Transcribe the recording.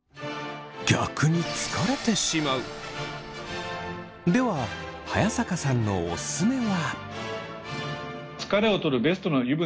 逆にでは早坂さんのおすすめは。